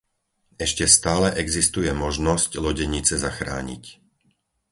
Ešte stále existuje možnosť lodenice zachrániť.